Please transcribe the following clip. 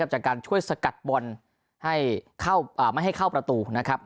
หรืออาการช่วยสกัดมนต์ให้เข้าไม่ให้เข้าประตูนะครับ